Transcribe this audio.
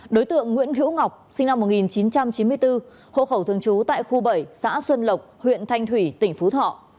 đối tượng nguyễn hữu ngọc sinh năm một nghìn chín trăm chín mươi bốn hộ khẩu thường trú tại khu bảy xã xuân lộc huyện thanh thủy tỉnh phú thọ